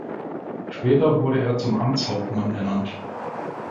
Später wurde er zum Amtshauptmann ernannt.